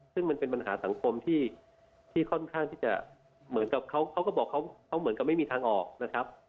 ซึ่งมันเป็นปัญหาสังคมที่ค่อนข้างที่จะเหมือนกับเขาก็บอกเขาเหมือนกับไม่มีทางออกนะครับ